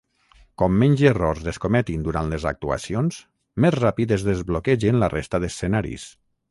Com menys errors es cometin durant les actuacions, més ràpid es desbloquegen la resta d'escenaris.